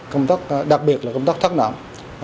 công tác đặc biệt là công tác thác nạm